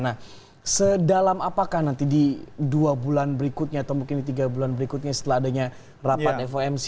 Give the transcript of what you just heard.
nah sedalam apakah nanti di dua bulan berikutnya atau mungkin di tiga bulan berikutnya setelah adanya rapat fomc